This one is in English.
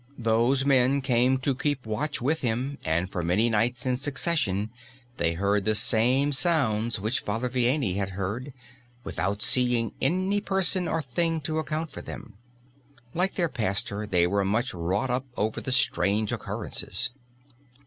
Those men came to keep watch with him, and for many nights in succession they heard the same sounds which Father Vianney had heard, without seeing any person or thing to account for them. Like their pastor they were much wrought up over the strange occurrences.